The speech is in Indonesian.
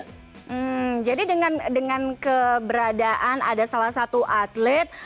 hmm jadi dengan keberadaan ada salah satu atlet